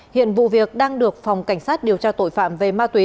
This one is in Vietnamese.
hiện vụ việc đang được phòng cảnh sát điều tra tội phạm về ma túy